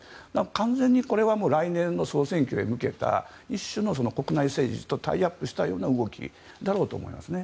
完全にこれは来年の総選挙へ向けた一種の国内政治とタイアップしたような動きだろうと思いますね。